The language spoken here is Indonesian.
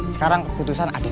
sekarang keputusan ada